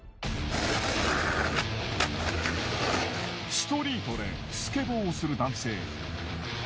ストリートでスケボーをする男性。